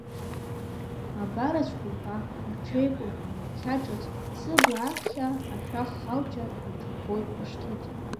Абар ацәқәырԥа аҽеикәырҳәны ҩаԥхьа ҿыц, сыбла аԥхьа ашәах хачла иҽырбоит ишьҭыҵ.